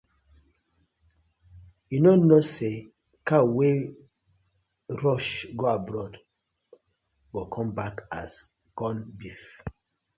Yu no kno say cow wey rush go abroad go come back as corn beef.